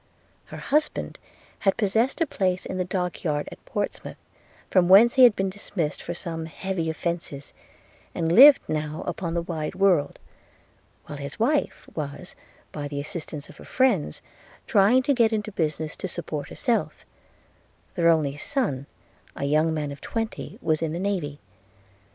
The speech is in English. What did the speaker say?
– Her husband had possessed a place in the dock yard at Portsmouth, from whence he had been dismissed for some heavy offences, and lived now upon the wide world; while his wife was, by the assistance of her friends, trying to get into business to support herself; their only son, a young man of twenty, was in the navy.